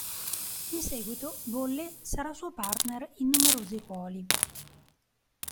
In seguito Bolle sarà suo partner in numerosi ruoli.